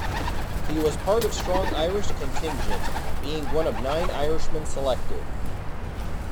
He was part of strong Irish contingent, being one of nine Irishmen selected.